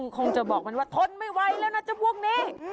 คงจะบอกมันว่าทนไม่ไหวแล้วนะเจ้าพวกนี้